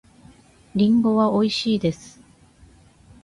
リンゴはおいしいです。